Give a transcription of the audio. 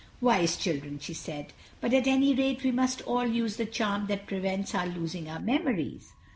"Wise children," she said, "but at any rate we must all use the charm that prevents our losing our memories."